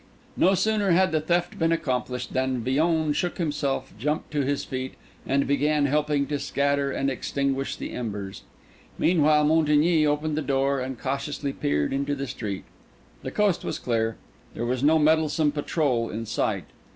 No sooner had the theft been accomplished than Villon shook himself, jumped to his feet, and began helping to scatter and extinguish the embers. Meanwhile Montigny opened the door and cautiously peered into the street. The coast was clear; there was no meddlesome patrol in sight.